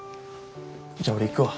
じゃあ俺行くわ。